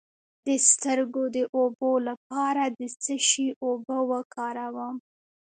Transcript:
د سترګو د اوبو لپاره د څه شي اوبه وکاروم؟